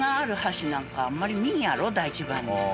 第一番に。